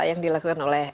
yang dilakukan oleh